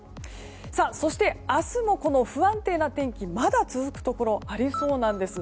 そして、明日もこの不安定な天気がまだ続くところありそうなんです。